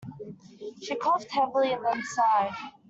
She coughed heavily and then sighed.